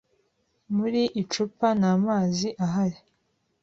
Muri icupa nta mazi ahari.